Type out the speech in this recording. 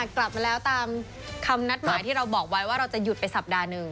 กลับมาแล้วตามคำนัดหมายที่เราบอกไว้ว่าเราจะหยุดไปสัปดาห์หนึ่ง